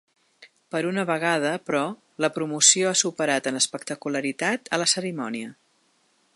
Per una vegada, però, la promoció ha superat en espectacularitat a la cerimònia.